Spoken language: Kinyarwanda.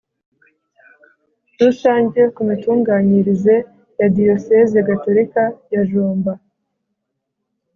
Rusange ku mitunganyirize ya Diyosezi Gatolika ya jomba